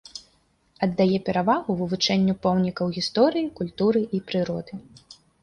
Аддае перавагу вывучэнню помнікаў гісторыі, культуры і прыроды.